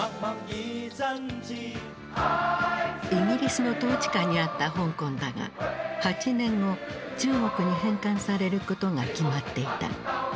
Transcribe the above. イギリスの統治下にあった香港だが８年後中国に返還されることが決まっていた。